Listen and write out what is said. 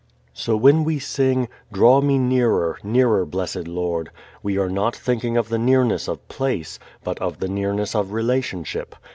So when we sing, "Draw me nearer, nearer, blessed Lord," we are not thinking of the nearness of place, but of the nearness of relationship.